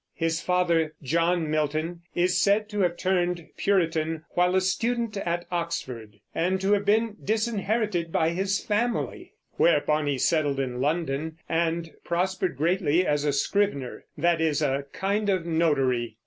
His father, John Milton, is said to have turned Puritan while a student at Oxford and to have been disinherited by his family; whereupon he settled in London and prospered greatly as a scrivener, that is, a kind of notary.